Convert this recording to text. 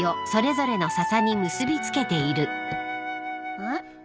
うん？